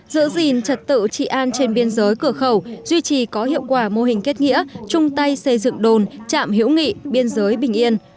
giữ gìn trật tự trị an trên biên giới cửa khẩu duy trì có hiệu quả mô hình kết nghĩa chung tay xây dựng đồn chạm hiểu nghị biên giới bình yên